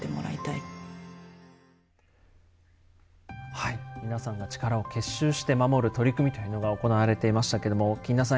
はい皆さんの力を結集して守る取り組みというのが行われていましたけども金田さん